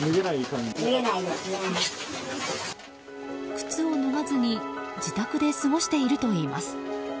靴を脱がずに自宅で過ごしているといいます。